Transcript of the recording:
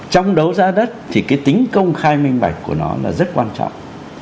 trong đấu giá đất thì cái tính công khai minh bạch của nó là rất quan trọng